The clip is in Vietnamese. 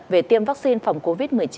về tiêm vaccine phòng covid một mươi chín